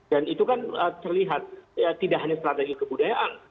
dan itu kan terlihat ya tidak hanya strategi kebudayaan